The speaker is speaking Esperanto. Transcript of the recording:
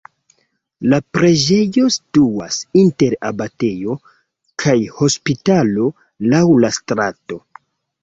La preĝejo situas inter abatejo kaj hospitalo laŭ la strato.